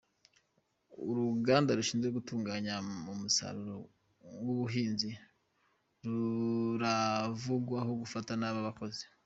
Uruganda rushinzwe gutunganya umusaruro wubuhinzi ruravugwaho gufata nabi abakozi